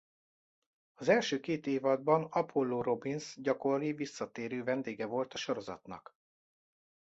Az első két évadban Apollo Robbins gyakori visszatérő vendége volt a sorozatnak.